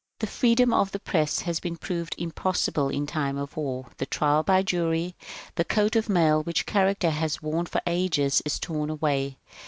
The freedom of the press has been proved impossible in time of war. The trial by jury — the coat of mail which Character has worn for ages — is torn away.